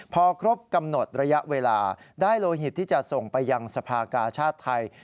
พอครบกำหนดระยะเวลาได้โลหิตที่จะส่งไปยังสภากาชาติไทย